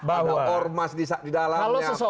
ada ormas di dalamnya